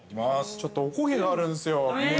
ちょっと、おこげがあるんですよ。